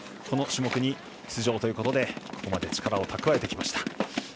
この種目に出場ということでここまで力を蓄えてきました。